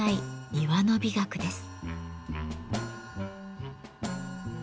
庭の美学です。